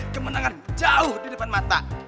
kemenangan jauh di depan mata